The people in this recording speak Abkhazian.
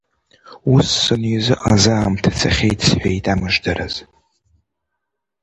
Ус санизыҟаз аамҭа цахьеит, – сҳәеит амыждараз.